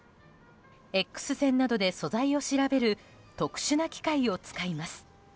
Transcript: Ｘ線などで素材を調べる特殊な機械を使います。